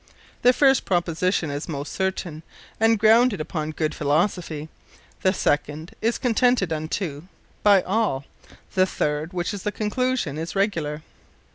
The first Proposition is most certaine, and grounded upon good Philosophy: The second is consented unto, by all: The third, which is the Conclusion, is regular.